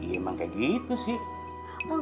emang kayak gitu ya bang makasih bang